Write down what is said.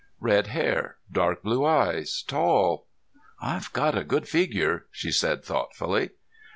Red hair, dark blue eyes, tall.... "I've got a good figure," she said thoughtfully.